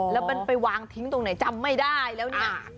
แล้วมันไปวางทิ้งตรงไหนจำไม่ได้แล้วเนี่ย